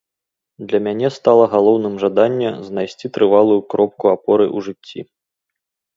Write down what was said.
Для мяне стала галоўным жаданне знайсці трывалую кропку апоры ў жыцці.